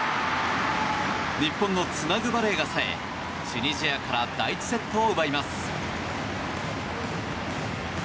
日本のつなぐバレーがさえチュニジアから第１セットを奪います。